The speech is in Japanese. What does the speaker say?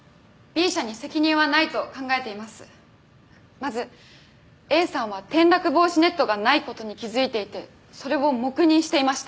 まずＡさんは転落防止ネットがないことに気付いていてそれを黙認していました。